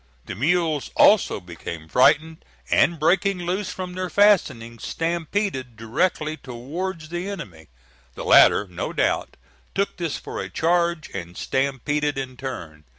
The mules also became frightened, and breaking loose from their fastenings stampeded directly towards the enemy. The latter, no doubt, took this for a charge, and stampeded in turn.